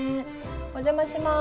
お邪魔します。